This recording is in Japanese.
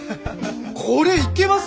これいけますよ。